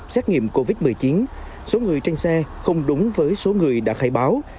xét nghiệm covid một mươi chín số người trên xe không đúng với số người đã khai báo